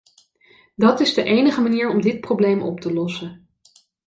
Dat is de enige manier om dit probleem op te lossen!